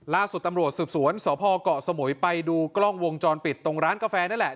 ล่าสุดตำรวจสืบสวนสพเกาะสมุยไปดูกล้องวงจรปิดตรงร้านกาแฟนี่แหละ